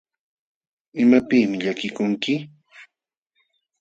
¿Imapiqmi llakikunki?